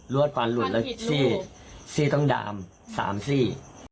ลวดฟันลุดแล้วสี่สี่ต้องดามสามสี่สี่ต้องดามสามสี่